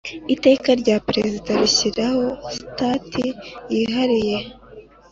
Iteka rya Perezida rishyiraho sitati yihariye